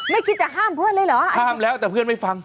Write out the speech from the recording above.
คิดจะห้ามเพื่อนเลยเหรอห้ามแล้วแต่เพื่อนไม่ฟัง